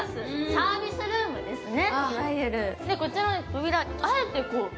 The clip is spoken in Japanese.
サービスルームですね。